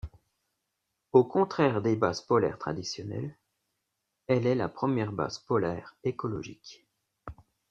Au contraire des bases polaires traditionnelles, elle est la première base polaire écologique.